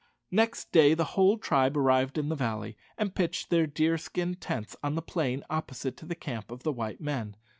Next day the whole tribe arrived in the valley, and pitched their deerskin tents on the plain opposite to the camp of the white men.